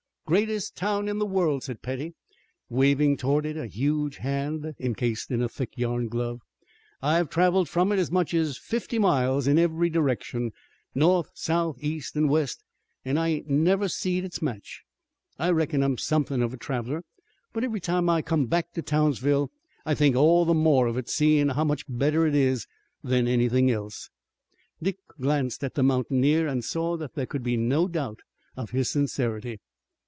"Greatest town in the world," said Petty, waving toward it a huge hand, encased in a thick yarn glove. "I've traveled from it as much as fifty miles in every direction, north, south, east, an' west, an' I ain't never seed its match. I reckon I'm somethin' of a traveler, but every time I come back to Townsville, I think all the more of it, seein' how much better it is than anything else." Dick glanced at the mountaineer, and saw that there could be no doubt of his sincerity.